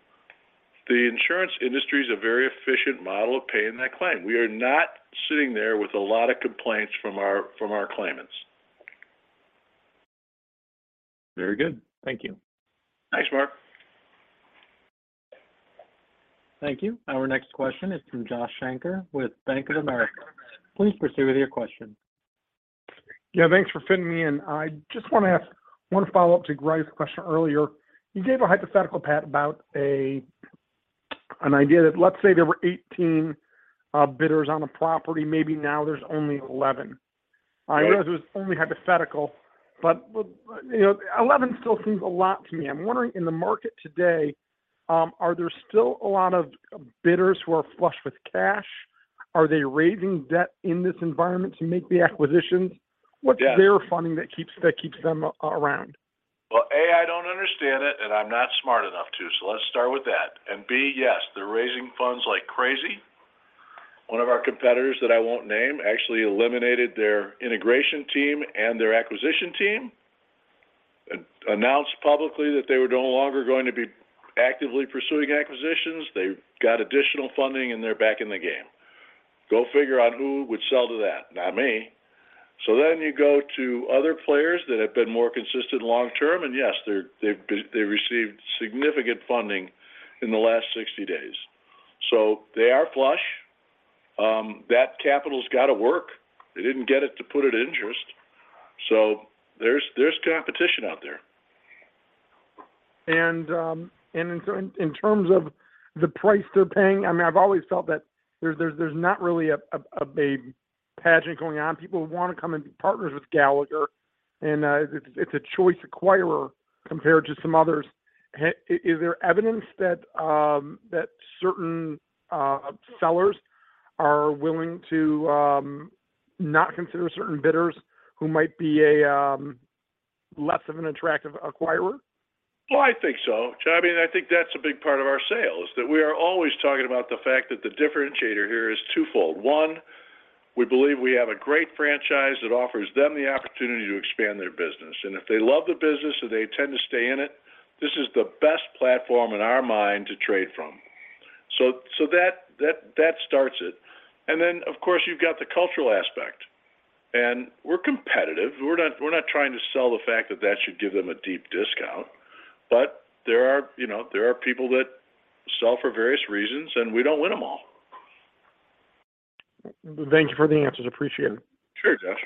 the insurance industry is a very efficient model of paying that claim. We are not sitting there with a lot of complaints from our claimants. Very good. Thank you. Thanks, Mark. Thank you. Our next question is from Josh Shanker with Bank of America. Please proceed with your question. Yeah, thanks for fitting me in. I just want to ask one follow-up to Greg's question earlier. You gave a hypothetical, Pat, about an idea that let's say there were 18 bidders on a property, maybe now there's only 11. Right. I know it was only hypothetical, but you know, 11 still seems a lot to me. I'm wondering in the market today, are there still a lot of bidders who are flush with cash? Are they raising debt in this environment to make the acquisitions? Yes. What's their funding that keeps them a-around? A, I don't understand it, and I'm not smart enough to, let's start with that. B, yes, they're raising funds like crazy. One of our competitors that I won't name actually eliminated their integration team and their acquisition team, announced publicly that they were no longer going to be actively pursuing acquisitions. They got additional funding, and they're back in the game. Go figure out who would sell to that. Not me. You go to other players that have been more consistent long term, and yes, they've received significant funding in the last 60 days. They are flush. That capital's gotta work. They didn't get it to put it interest. There's competition out there. In terms of the price they're paying, I mean, I've always felt that there's not really a big pageant going on. People want to come and be partners with Gallagher, it's a choice acquirer compared to some others. Is there evidence that certain sellers are willing to not consider certain bidders who might be a less of an attractive acquirer? I think so. I mean, I think that's a big part of our sales, that we are always talking about the fact that the differentiator here is twofold. One, we believe we have a great franchise that offers them the opportunity to expand their business. If they love the business and they intend to stay in it, this is the best platform in our mind to trade from. That starts it. Then, of course, you've got the cultural aspect. We're competitive. We're not trying to sell the fact that that should give them a deep discount. There are, you know, there are people that sell for various reasons, and we don't win them all. Thank you for the answers. Appreciate it. Sure, Josh.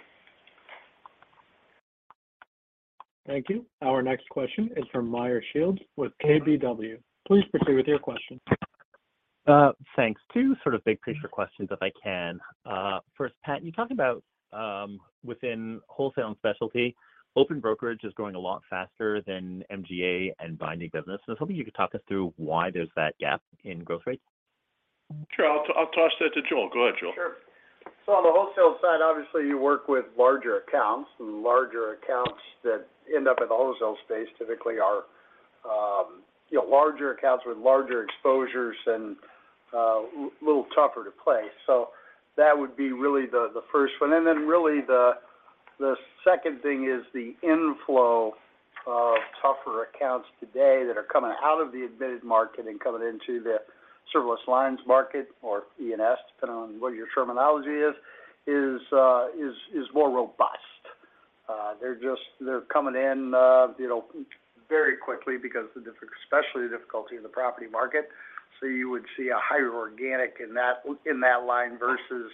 Thank you. Our next question is from Meyer Shields with KBW. Please proceed with your question. Thanks. Two sort of big picture questions, if I can. First, Pat, you talked about, within wholesale and specialty, open brokerage is growing a lot faster than MGA and binding business. I was hoping you could talk us through why there's that gap in growth rates. Sure. I'll toss that to Joel. Go ahead, Joel. Sure. On the wholesale side, obviously, you work with larger accounts, and larger accounts that end up in the wholesale space typically are, you know, larger accounts with larger exposures and little tougher to place. That would be really the first one. Then really the second thing is the inflow Of tougher accounts today that are coming out of the admitted market and coming into the surplus lines market or E&S, depending on what your terminology is more robust. They're coming in, you know, very quickly because especially the difficulty in the property market. You would see a higher organic in that, in that line versus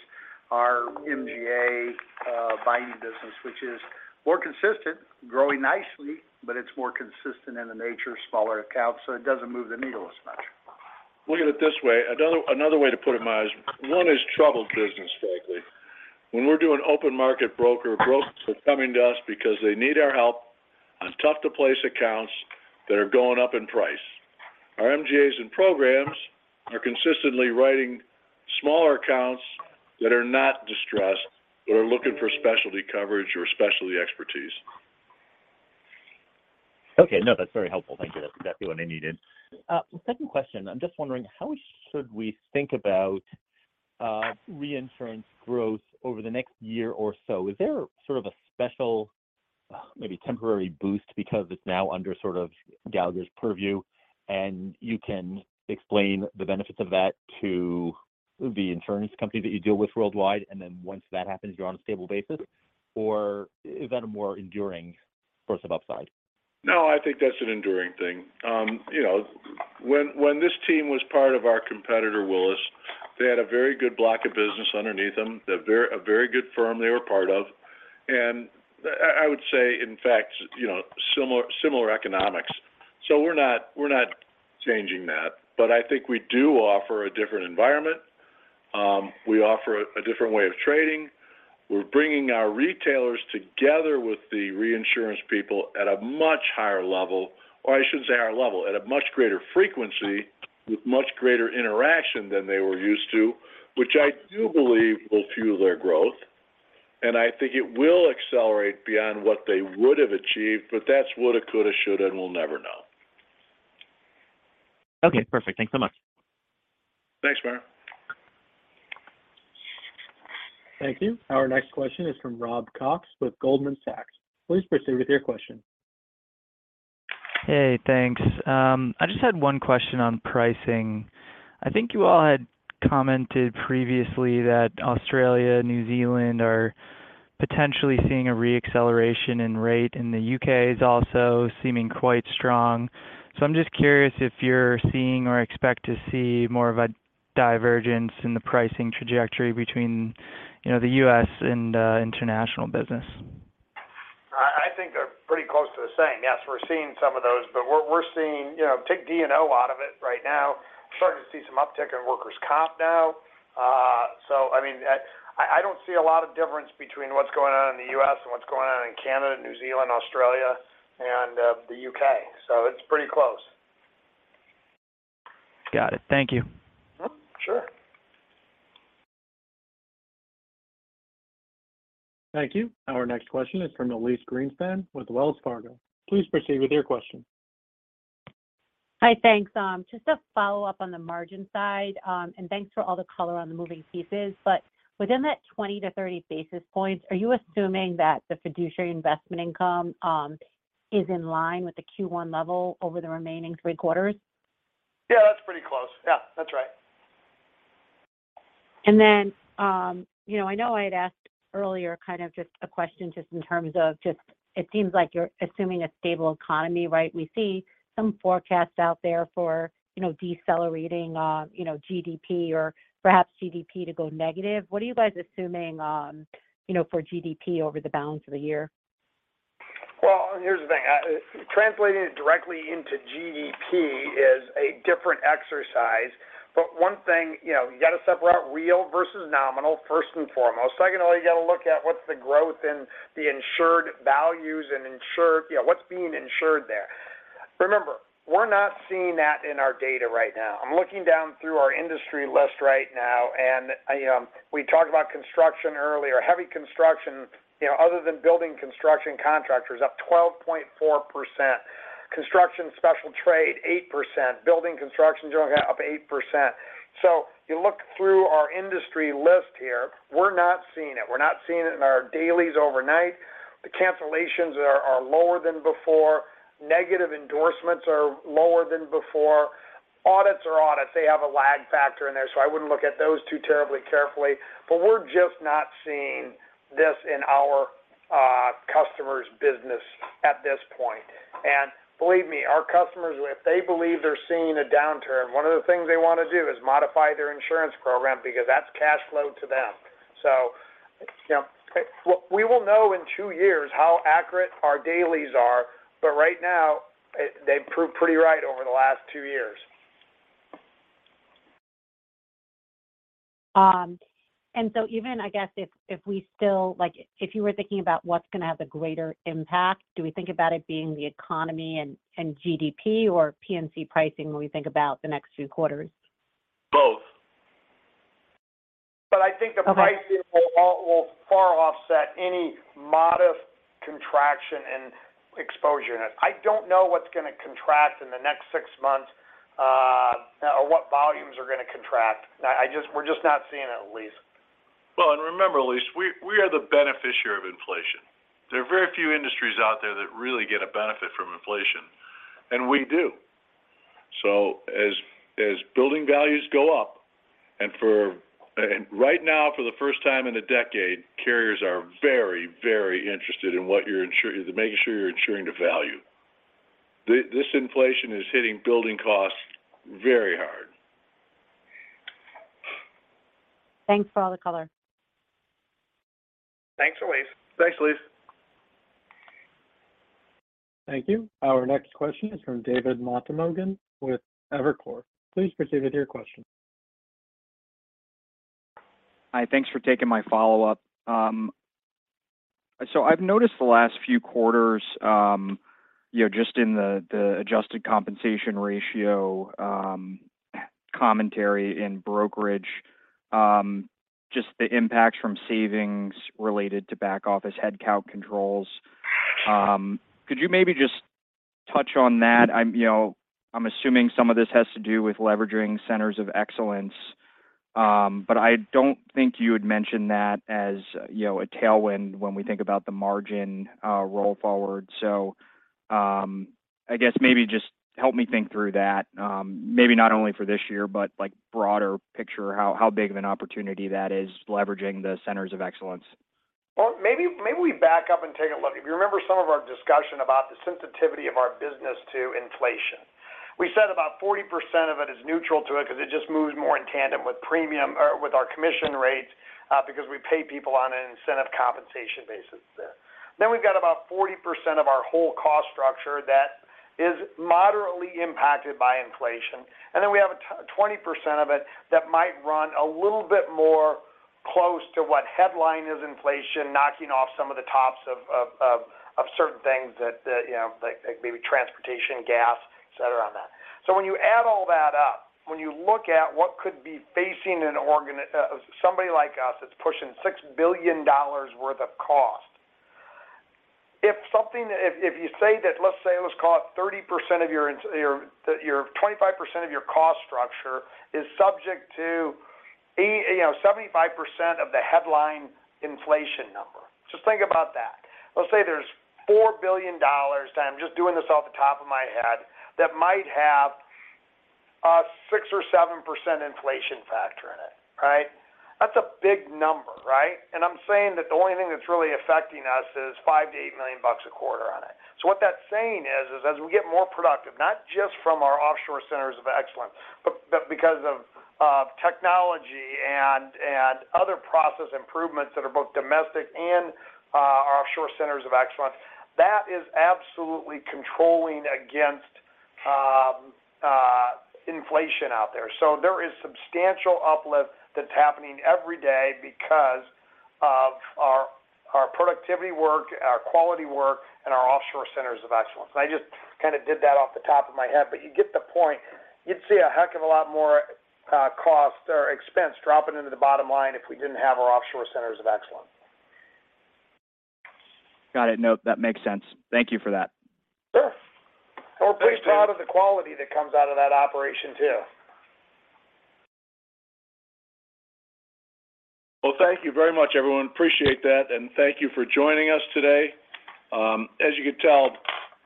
our MGA buying business, which is more consistent, growing nicely, but it's more consistent in the nature of smaller accounts, so it doesn't move the needle as much. Look at it this way. Another way to put it, Miles. None is troubled business, frankly. When we're doing open market broker, brokers are coming to us because they need our help on tough to place accounts that are going up in price. Our MGAs and programs are consistently writing smaller accounts that are not distressed, that are looking for specialty coverage or specialty expertise. Okay. No, that's very helpful. Thank you. That's exactly what I needed. Second question. I'm just wondering, how should we think about reinsurance growth over the next year or so? Is there sort of a special, maybe temporary boost because it's now under sort of Gallagher's purview, and you can explain the benefits of that to the insurance company that you deal with worldwide, and then once that happens, you're on a stable basis? Is that a more enduring source of upside? No, I think that's an enduring thing. you know, when this team was part of our competitor, Willis, they had a very good block of business underneath them, a very good firm they were part of. I would say, in fact, you know, similar economics. We're not changing that. I think we do offer a different environment. We offer a different way of trading. We're bringing our retailers together with the reinsurance people at a much higher level, or I should say, our level, at a much greater frequency with much greater interaction than they were used to, which I do believe will fuel their growth. I think it will accelerate beyond what they would have achieved, but that's woulda, coulda, shoulda, and we'll never know. Okay, perfect. Thanks so much. Thanks, Byron. Thank you. Our next question is from Rob Cox with Goldman Sachs. Please proceed with your question. Hey, thanks. I just had one question on pricing. I think you all had commented previously that Australia, New Zealand are potentially seeing a re-acceleration in rate, and the UK is also seeming quite strong. I'm just curious if you're seeing or expect to see more of a divergence in the pricing trajectory between, you know, the US and international business? I think they're pretty close to the same. Yes, we're seeing some of those. We're seeing, you know, take D&O out of it right now. Starting to see some uptick in workers' comp now. I mean, I don't see a lot of difference between what's going on in the U.S. and what's going on in Canada, New Zealand, Australia, and the U.K. It's pretty close. Got it. Thank you. Sure. Thank you. Our next question is from Elyse Greenspan with Wells Fargo. Please proceed with your question. Hi, thanks. just a follow-up on the margin side. Thanks for all the color on the moving pieces. Within that 20-30 basis points, are you assuming that the fiduciary investment income, is in line with the Q1 level over the remaining 3 quarters? Yeah, that's pretty close. Yeah, that's right. You know, I know I had asked earlier kind of just a question just in terms of just it seems like you're assuming a stable economy, right? We see some forecasts out there for, you know, decelerating, you know, GDP or perhaps GDP to go negative. What are you guys assuming, you know, for GDP over the balance of the year? Well, here's the thing. Translating it directly into GDP is a different exercise. One thing, you know, you got to separate real versus nominal, first and foremost. Secondly, you got to look at what's the growth in the insured values and insured, you know, what's being insured there. Remember, we're not seeing that in our data right now. I'm looking down through our industry list right now, and I... We talked about construction earlier. Heavy construction, you know, other than building construction contractors up 12.4%. Construction special trade, 8%. Building construction generally up 8%. You look through our industry list here, we're not seeing it. We're not seeing it in our dailies overnight. The cancellations are lower than before. Negative endorsements are lower than before. Audits are audits. They have a lag factor in there. I wouldn't look at those two terribly carefully. We're just not seeing this in our customers' business at this point. Believe me, our customers, if they believe they're seeing a downturn, one of the things they want to do is modify their insurance program because that's cash flow to them. You know, we will know in two years how accurate our dailies are, but right now, they've proved pretty right over the last two years. Even I guess Like if you were thinking about what's going to have the greater impact, do we think about it being the economy and GDP or P&C pricing when we think about the next few quarters? Both. I think the pricing- Okay. Will far offset any modest contraction and exposure in it. I don't know what's going to contract in the next six months, or what volumes are going to contract. We're just not seeing it, Elise. Well, remember, Elise, we are the beneficiary of inflation. There are very few industries out there that really get a benefit from inflation, and we do. As building values go up. Right now, for the first time in a decade, carriers are very, very interested in making sure you're insuring the value. This inflation is hitting building costs very hard. Thanks for all the color. Thanks, Elise. Thanks, Elise. Thank you. Our next question is from David Motemaden with Evercore. Please proceed with your question. Hi. Thanks for taking my follow-up. I've noticed the last few quarters, you know, just in the adjusted compensation ratio, commentary in brokerage, just the impact from savings related to back office head count controls. Could you maybe just touch on that? I'm, you know I'm assuming some of this has to do with leveraging centers of excellence, but I don't think you had mentioned that as, you know, a tailwind when we think about the margin, roll forward. I guess maybe just help me think through that, maybe not only for this year, but, like, broader picture, how big of an opportunity that is leveraging the centers of excellence. Well, maybe we back up and take a look. If you remember some of our discussion about the sensitivity of our business to inflation. We said about 40% of it is neutral to it 'cause it just moves more in tandem with premium or with our commission rates, because we pay people on an incentive compensation basis there. We've got about 40% of our whole cost structure that is moderately impacted by inflation. We have 20% of it that might run a little bit more close to what headline is inflation, knocking off some of the tops of certain things that, you know, like maybe transportation, gas, et cetera on that. When you add all that up, when you look at what could be facing an organ. somebody like us that's pushing $6 billion worth of cost. If you say that let's say it was cost 30% of your 25% of your cost structure is subject to, you know, 75% of the headline inflation number. Just think about that. Let's say there's $4 billion, and I'm just doing this off the top of my head, that might have a 6% or 7% inflation factor in it, right? That's a big number, right? I'm saying that the only thing that's really affecting us is $5 million-$8 million a quarter on it. What that's saying is as we get more productive, not just from our offshore centers of excellence, but because of technology and other process improvements that are both domestic and our offshore centers of excellence, that is absolutely controlling against inflation out there. There is substantial uplift that's happening every day because of our productivity work, our quality work, and our offshore centers of excellence. I just kind of did that off the top of my head, but you get the point. You'd see a heck of a lot more cost or expense dropping into the bottom line if we didn't have our offshore centers of excellence. Got it. No, that makes sense. Thank you for that. Sure. Thanks, Dave. We're pretty proud of the quality that comes out of that operation too. Well, thank you very much, everyone. Appreciate that. Thank you for joining us today. As you can tell,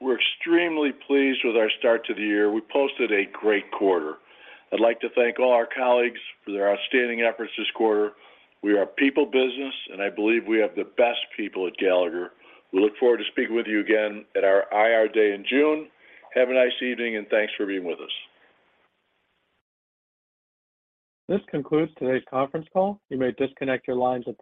we're extremely pleased with our start to the year. We posted a great quarter. I'd like to thank all our colleagues for their outstanding efforts this quarter. We are a people business. I believe we have the best people at Gallagher. We look forward to speaking with you again at our IR Day in June. Have a nice evening. Thanks for being with us. This concludes today's conference call. You may disconnect your lines at this time.